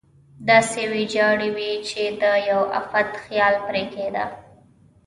داسې ویجاړې وې چې د یوه افت خیال پرې کېده.